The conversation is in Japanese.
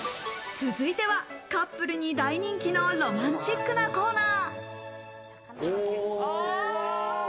続いてはカップルに大人気のロマンチックなコーナー。